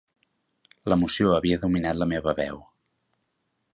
L'emoció havia dominat la meva veu.